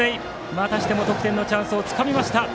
またしても得点チャンスをつかんだ。